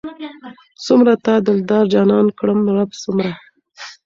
څومره تا دلدار جانان کړم رب څومره